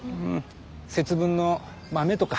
節分の豆とか。